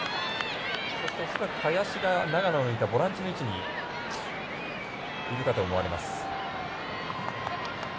そして、林が長野のいたボランチの位置にいるかと思われます。